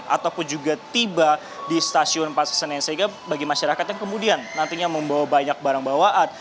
ataupun juga tiba di stasiun pasar senen sehingga bagi masyarakat yang kemudian nantinya membawa banyak barang bawaan